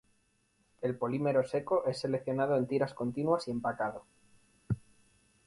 El polímero seco es seccionado en tiras continuas y empacado.